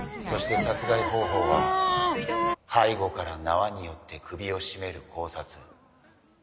「そして殺害方法は背後から縄によって首を絞める絞殺。